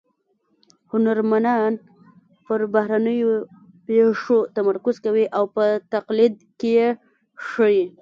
هنرمنان پر بهرنیو پېښو تمرکز کوي او په تقلید کې یې ښيي